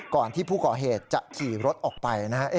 ก่อนที่ผู้ก่อเหตุจะขี่รถออกไปนะฮะ